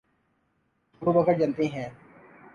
ابوبکر جنتی ہیں